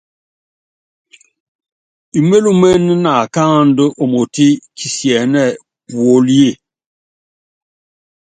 Imelúmené naakáandú olotí kisiɛ́nɛ́ puólíe.